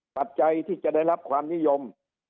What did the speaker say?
ปัจจัยที่จะได้รับความนิยม